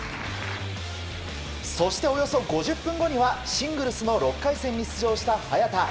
そしておよそ５０分後にはシングルスの６回戦に出場した早田。